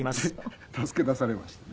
で助け出されました。